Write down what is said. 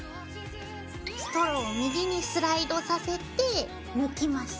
ストローを右にスライドさせて抜きます。